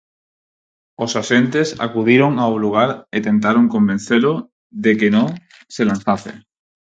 Os axentes acudiron ao lugar e tentaron convencelo de que non se lanzase.